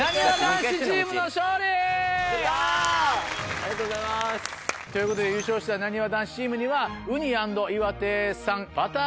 ありがとうございます！ということで優勝したなにわ男子チームには。